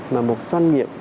mà một doanh nghiệp